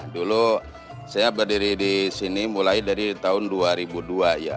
dulu saya berdiri di sini mulai dari tahun dua ribu dua ya